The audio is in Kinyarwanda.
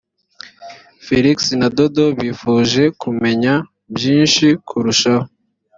felix na dodo bifuje kumenya byinshi kurushaho